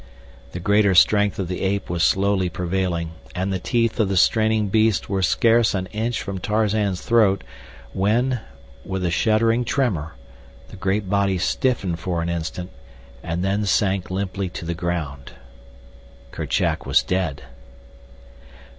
The greater strength of the ape was slowly prevailing, and the teeth of the straining beast were scarce an inch from Tarzan's throat when, with a shuddering tremor, the great body stiffened for an instant and then sank limply to the ground. Kerchak was dead.